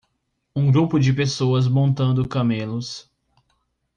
Um grupo de pessoas montando camelos.